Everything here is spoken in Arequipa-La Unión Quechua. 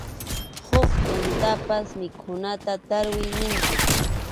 Huk tuntaspa mikhunata tarwi ninkum.